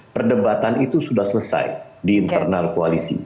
perdebatan itu sudah selesai di internal koalisi